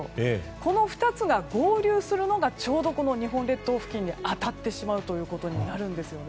この２つが合流するのがちょうど日本列島付近に当たってしまうということになるんですね。